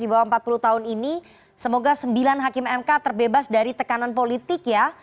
di bawah empat puluh tahun ini semoga sembilan hakim mk terbebas dari tekanan politik ya